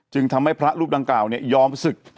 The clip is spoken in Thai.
จึงทำให้พระรูปดังกล่าวยอมศึก